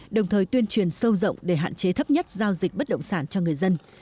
đồng thời tuyên truyền sâu rộng để hạn chế thấp nhất giao dịch bất động sản cho người dân